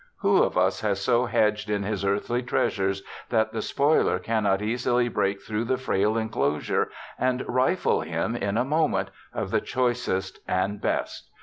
Who of us has so hedged in his earthly treasures that the spoiler cannot easily break through the frail enclosure, and rifle him, in a moment, of the choicest and best?